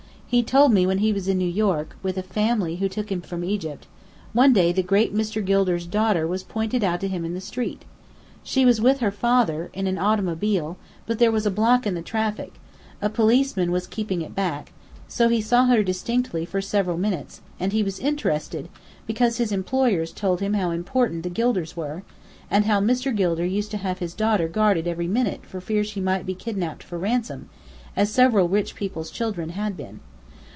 He told me when he was in New York, with a family who took him from Egypt, one day the great Mr. Gilder's daughter was pointed out to him in the street. She was with her father, in an automobile, but there was a block in the traffic: a policeman was keeping it back, so he saw her distinctly for several minutes, and he was interested, because his employers told him how important the Gilders were, and how Mr. Gilder used to have his daughter guarded every minute for fear she might be kidnapped for ransom, as several rich people's children had been.